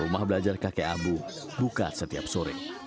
rumah belajar kakek abu buka setiap sore